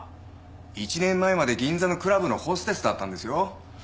１年前まで銀座のクラブのホステスだったんですよ？